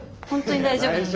本当に大丈夫。